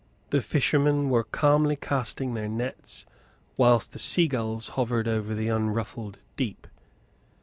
The fishermen were calmly casting their nets, whilst the sea gulls hovered over the unruffled deep.